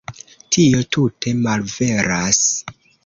Tio tute malveras.